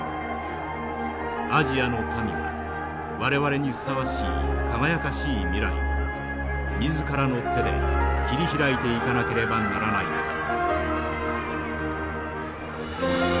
アジアの民は我々にふさわしい輝かしい未来を自らの手で切り開いていかなければならないのです」。